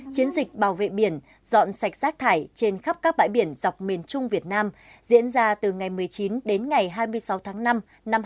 chiến dịch bảo vệ biển dọn sạch rác thải trên khắp các bãi biển dọc miền trung việt nam diễn ra từ ngày một mươi chín đến ngày hai mươi sáu tháng năm năm hai nghìn một mươi chín